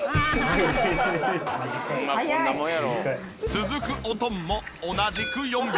続くおとんも同じく４秒。